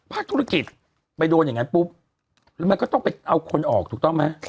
ธุรกิจไปโดนอย่างนั้นปุ๊บแล้วมันก็ต้องไปเอาคนออกถูกต้องไหม